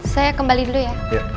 saya kembali dulu ya